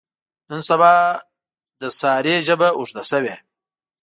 نن سبا د سارې ژبه اوږده شوې.